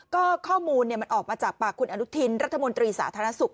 ก็ข้อมูลมันออกมาจากปากคุณอนุทินรัฐมนตรีสาธารณสุข